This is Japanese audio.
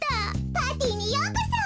パーティーにようこそ！